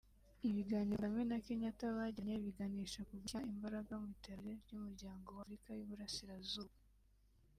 Ibiganiro Kagame na Kenyatta bagiranye biganisha ku gushyira imbaraga mu iterambere ry’Umuryango wa Afurika y’Uburasirazuba